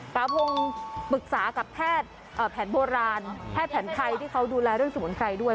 พระพงศ์ปรึกษากับแพทย์แผนโบราณแพทย์แผนไทยที่เขาดูแลเรื่องสมุนไพรด้วย